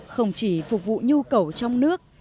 không chỉ phục vụ nhu cầu trong nước